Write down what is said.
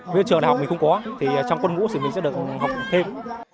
với trường đại học mình không có thì trong quân ngũ thì mình sẽ được học thêm